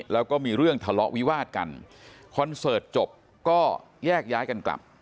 แล้วก็มีเรื่องทะเลาะวิวาดกันคอนเสิร์ตจบก็แยกย้ายกันกลับ